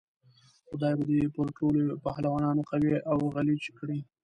خدای به دې پر ټولو پهلوانانو قوي او غلیچ کړي.